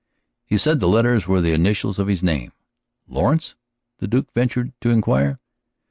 He said the letters were the initials of his name. "Lawrence?" the Duke ventured to inquire.